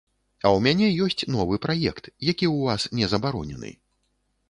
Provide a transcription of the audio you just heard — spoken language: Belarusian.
А ў мяне ёсць новы праект, які ў вас не забаронены.